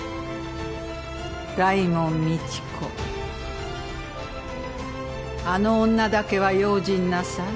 大門未知子あの女だけは用心なさい。